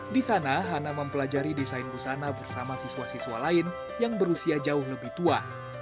di sana hana mempelajari desain busana bersama siswa siswa lain yang berusia jauh lebih tua